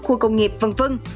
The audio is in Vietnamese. khu công nghiệp v v